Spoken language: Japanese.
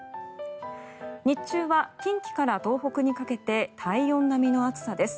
日中は近畿から東北にかけて体温並みの暑さです。